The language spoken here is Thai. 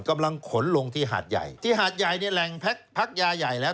กำลังขนลงที่หาดใหญ่ที่หาดใหญ่เนี่ยแหล่งพักยาใหญ่แล้ว